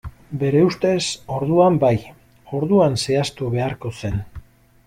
Bere ustez, orduan bai, orduan zehaztu beharko zen.